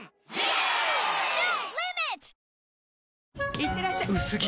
いってらっしゃ薄着！